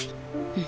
うん。